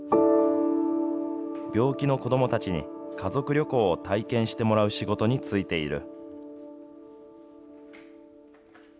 病気の子どもたちに家族旅行を体験してもらう仕事に就いている。